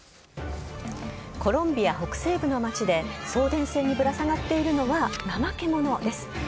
コロンビア北西部の街で、送電線にぶら下がっているのは、ナマケモノです。